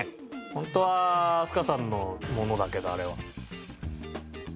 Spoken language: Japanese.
本当は飛鳥さんのものだけどあれは。